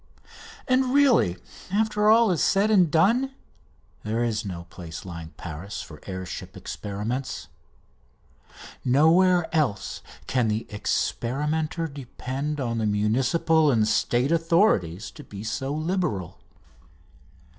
And really, after all is said and done, there is no place like Paris for air ship experiments. Nowhere else can the experimenter depend on the municipal and State authorities to be so liberal.